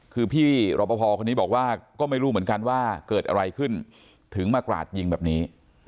คือพี่รอปภคนนี้บอกว่าก็ไม่รู้เหมือนกันว่าเกิดอะไรขึ้นถึงมากราดยิงแบบนี้